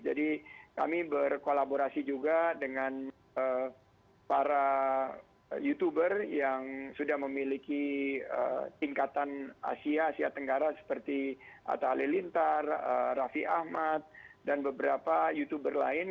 jadi kami berkolaborasi juga dengan para youtuber yang sudah memiliki tingkatan asia asia tenggara seperti atta halilintar rafi ahmad dan beberapa youtuber lain